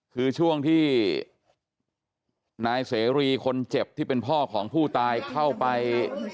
คือช่วงที่นายเสรีคนเจ็บที่เป็นพ่อของผู้ตายเข้าไป